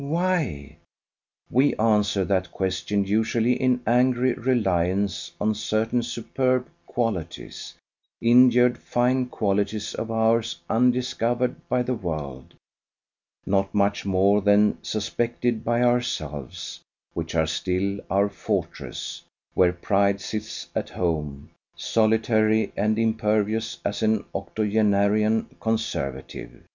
Why? We answer that question usually in angry reliance on certain superb qualities, injured fine qualities of ours undiscovered by the world, not much more than suspected by ourselves, which are still our fortress, where pride sits at home, solitary and impervious as an octogenarian conservative.